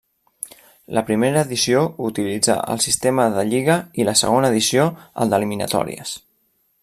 La primera edició utilitzà el sistema de lliga i la segona edició el d'eliminatòries.